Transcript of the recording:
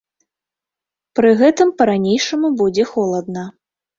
Пры гэтым па-ранейшаму будзе холадна.